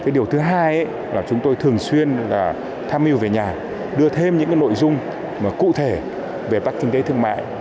điều thứ hai là chúng tôi thường xuyên tham mưu về nhà đưa thêm những nội dung cụ thể về bắc kinh tế thương mại